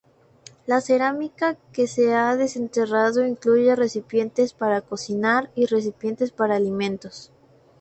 La cerámica que se ha desenterrado incluye recipientes para cocinar y recipientes para alimentos.